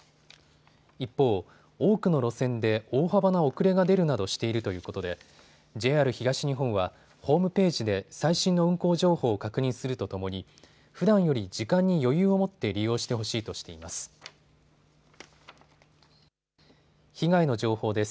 一方、多くの路線で大幅な遅れが出るなどしているということでＪＲ東日本はホームページで最新の運行情報を確認するとともにふだんより時間に余裕を持って利用してほしいとしています。